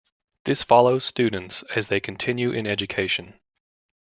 This follows students as they continue in education.